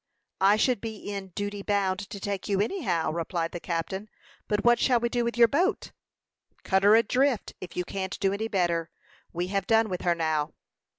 "I should be in duty bound to take you, any how," replied the captain; "but what shall we do with your boat?" "Cut her adrift, if you can't do any better. We have done with her now."